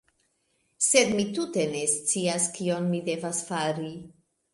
Sed mi tute ne scias kion mi devas fari